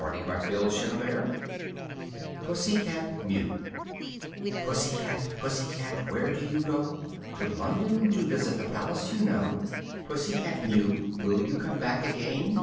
[Illustration: Pussy cat Mew] Pussy cat Mew "_Pussy cat, Pussy cat, where do you go?" "To London, to visit the palace, you know." "Pussy cat Mew, will you come back again?"